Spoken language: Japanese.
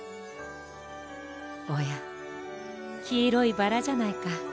おやきいろいバラじゃないか。